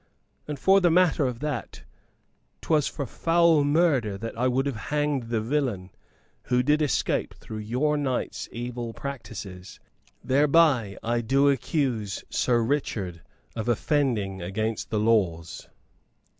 "And, for the matter of that, 'twas for foul murder that I would have hanged the villain, who did escape through your knight's evil practices. Thereby I do accuse Sir Richard of offending against the laws."